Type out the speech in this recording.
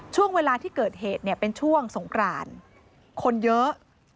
ช่วงเวลาที่เกิดเหตุเนี่ยเป็นช่วงสงกรานคนเยอะ